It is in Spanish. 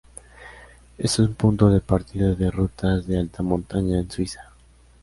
Es punto de partida de rutas de alta montaña en Suiza.